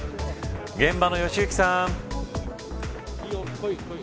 現場の良幸さん。